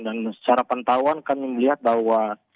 dan secara pengetahuan kami melihat bahwa